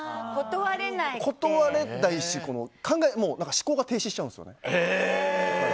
断れないし思考が停止しちゃうんですよね。